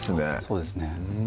そうですね